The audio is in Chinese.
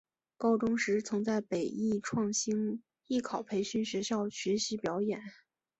高中时曾在北艺创星艺考培训学校学习表演。